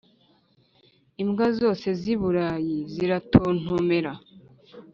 imbwa zose zi burayi ziratontomera,